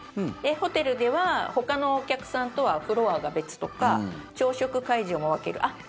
ホテルでは、ほかのお客さんとはフロアが別とか朝食会場も分ける。